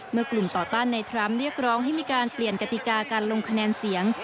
เมื่อกลุ่มต่อต้านในทรัมป์เรียกร้องให้มีการเปลี่ยนกติกาการลงคะแนนเสียง